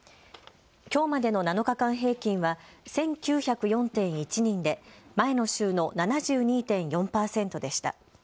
きょうまでの７日間平均は１９０４．１人で前の週の７２．４％でした。